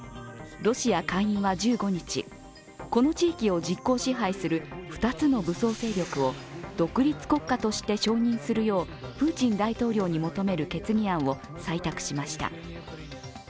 ロシア下院は１５日、この地域を実効支配する２つの武装勢力を独立国家として承認するようプーチン大統領に求める決議案を採択しました。